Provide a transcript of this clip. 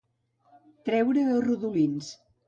Treure a rodolins.